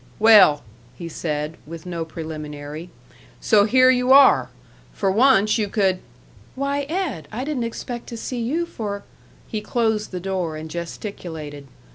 "Well!" he said, with no preliminary, "so here you are! For once you could " "Why, Ed! I didn't expect to see you for " He closed the door and gesticulated.